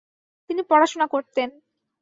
তিনি পড়াশোনা করতেন।